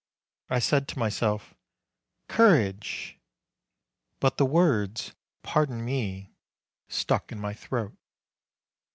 I said to myself, "Courage!" But the words, "pardon me," stuck in my throat.